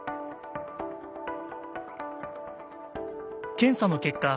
検査の結果